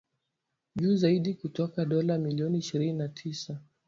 juu zaidi kutoka dola milioni ishirini na tisa